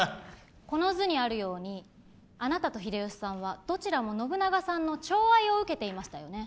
この図にあるようにあなたと秀吉さんはどちらも信長さんのちょう愛を受けていましたよね。